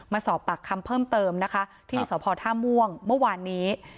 มาสอบปากคำเพิ่มเติมนะคะที่สพท่าม่วงเมื่อวานนี้